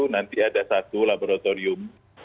nanti ada satu laboratorium